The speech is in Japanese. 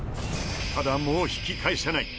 ただもう引き返せない。